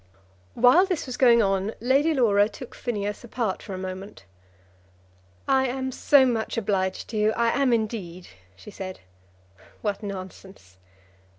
While this was going on Lady Laura took Phineas apart for a moment. "I am so much obliged to you; I am indeed," she said. "What nonsense!"